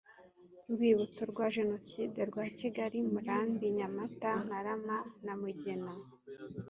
rwibutso rwa jenoside rwa kigali murambi nyamata ntarama na mugina